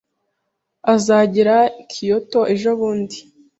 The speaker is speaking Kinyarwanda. Azagera i Kyoto ejobundi